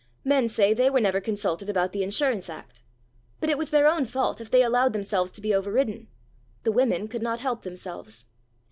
Men say they were never consulted about the Insurance Act. But it was their own fault if they allowed themselves to be overridden. The women could not help themselves.